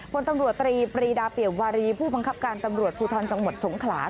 พลตำรวจตรีปรีดาเปี่ยมวารีผู้บังคับการตำรวจภูทรจังหวัดสงขลา